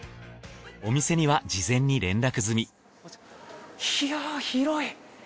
お店には事前に連絡済みひゃあ広い。